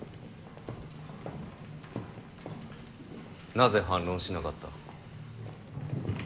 なぜ反論しなかった。